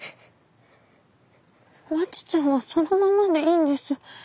まちちゃんはそのままでいいんです。